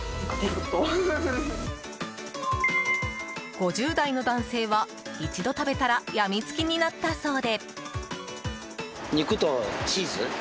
５０代の男性は、一度食べたらやみつきになったそうで。